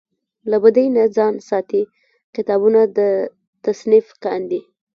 له بدۍ نه ځان ساتي کتابونه تصنیف کاندي.